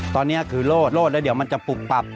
ตอนนี้คือโลดแล้วเดี๋ยวมันจะปุบปับ